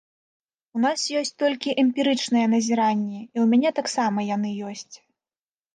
У нас ёсць толькі эмпірычныя назіранні, і ў мяне таксама яны ёсць.